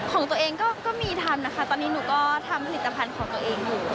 ของตัวเองก็มีทำนะคะตอนนี้หนูก็ทำผลิตภัณฑ์ของตัวเองอยู่